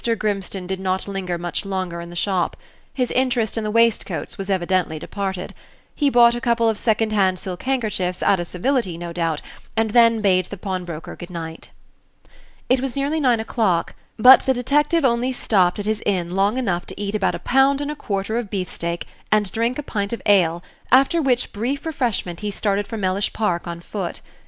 Grimstone did not linger much longer in the shop. His interest in the waistcoats was evidently departed. He bought a couple of second hand silk handkerchiefs, out of civility, no doubt, and then bade the pawnbroker good night. It was nearly nine o'clock; but the detective only stopped at his inn long enough to eat about a pound and a quarter of beefsteak, and drink a pint of ale, after which brief refreshment he started for Mellish Park on foot.